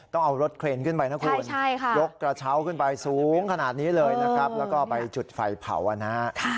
ต้องเอารถเครนขึ้นไปนะคุณยกกระเช้าขึ้นไปสูงขนาดนี้เลยนะครับแล้วก็ไปจุดไฟเผานะฮะ